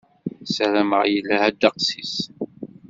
Sarameɣ yelha ddeqs-is.